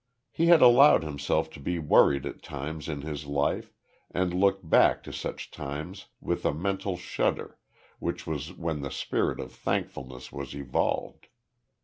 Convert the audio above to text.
He had allowed himself to be worried at times in his life, and looked back to such times with a mental shudder, which was when the spirit of thankfulness was evolved.